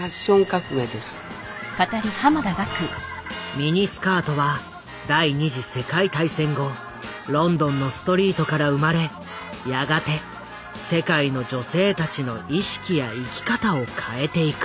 ミニスカートは第２次世界大戦後ロンドンのストリートから生まれやがて世界の女性たちの意識や生き方を変えていく。